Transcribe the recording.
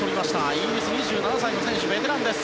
イギリスの２７歳の選手ベテランです。